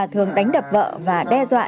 thường đánh đập vợ và đe dọa